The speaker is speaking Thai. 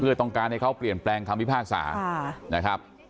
เพื่อต้องการให้เขาเปลี่ยนแปลงคำพิพากษานะครับ